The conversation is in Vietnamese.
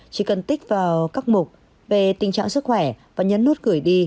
chỉ cần tích vào các mục về tình trạng sức khỏe và nhấn nút gửi đi